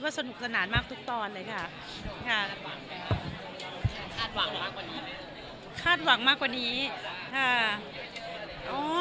ว่าสนุกสนานมากทุกตอนเลยค่ะค่ะคาดหวังมากกว่านี้ค่ะ